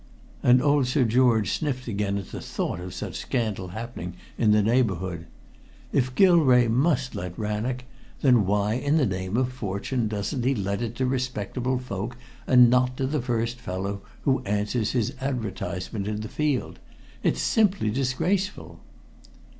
And old Sir George sniffed again at thought of such scandal happening in the neighborhood. "If Gilrae must let Rannoch, then why in the name of Fortune doesn't he let it to respectable folk and not to the first fellow who answers his advertisement in The Field? It's simply disgraceful!"